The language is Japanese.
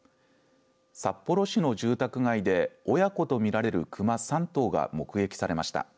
札幌市の住宅街で親子と見られる熊３頭が目撃されました。